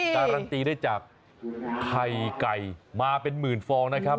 การันตีได้จากไข่ไก่มาเป็นหมื่นฟองนะครับ